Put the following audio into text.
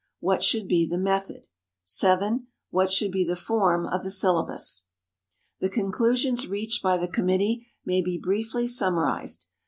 What should be the method? 7. What should be the form of the syllabus? The conclusions reached by the committee may be briefly summarized.